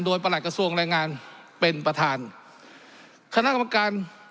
โดยประหลักกระทรวงแรงงานเป็นประธานคณะกรรมการ